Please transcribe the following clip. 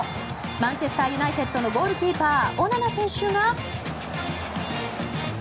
マンチェスター・ユナイテッドのゴールキーパーオナナ選手が。